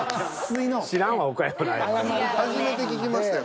初めて聞きましたよ。